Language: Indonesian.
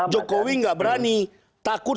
jokowi tidak berani takut